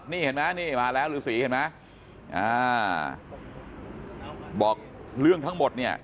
นี่เห็นไหมนี่มาแล้วฤษีเห็นไหมอ่าบอกเรื่องทั้งหมดเนี่ย